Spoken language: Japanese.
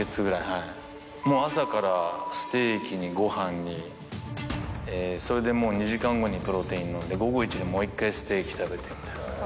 もう朝からステーキにご飯にそれでもう２時間後にプロテイン飲んで午後イチでもう１回ステーキ食べてみたいな。